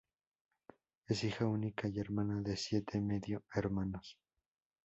Es hija única y hermana de siete medio-hermanos.